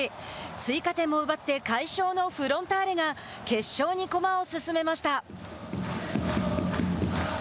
追加点も奪って快勝のフロンターレが決勝に駒を進めました。